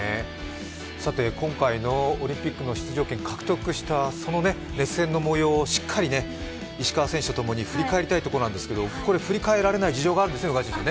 今回のオリンピックの出場権獲得した、その熱戦のもようをしっかり石川選手とともに振り返りたいんですけれどもここで振り返られない事情があるんですね。